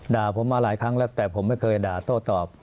ด่าผมมาหลายครั้งแล้วแต่ผมไม่เคยด่าโต้ตอบ